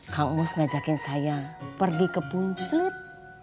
kang mus ngajakin saya pergi ke puncut